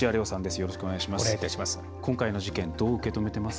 よろしくお願いします。